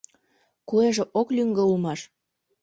Куэже ок лӱҥгӧ улмаш